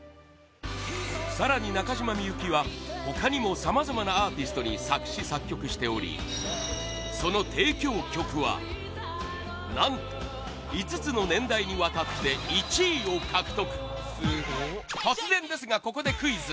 更に中島みゆきは、他にもさまざまなアーティストに作詞・作曲しておりその提供曲は何と５つの年代にわたって１位を獲得突然ですが、ここでクイズ！